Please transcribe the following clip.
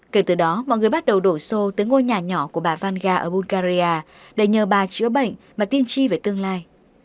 kể từ đó mọi người bắt đầu đổ xô tới ngôi nhà nhỏ của bà van ở bungarya để nhờ bà chữa bệnh mà tin chi về tương lai